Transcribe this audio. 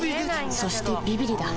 そしてビビリだ